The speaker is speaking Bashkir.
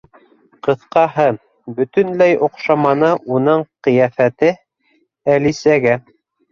Ҡыҫҡаһы, бөтөнләй оҡшаманы уның ҡиәфәте Әлисәгә.